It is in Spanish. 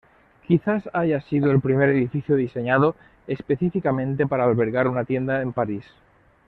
Quizás haya sido el primer edificio diseñado específicamente para albergar una tienda en París.